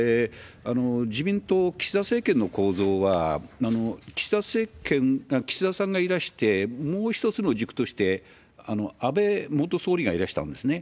自民党、岸田政権の構造は、岸田さんがいらして、もう一つの軸として、安倍元総理がいらしたんですね。